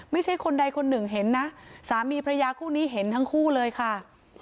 ไม่ใช่คนใดคนหนึ่งเห็นนะสามีพระยาคู่นี้เห็นทั้งคู่เลยค่ะ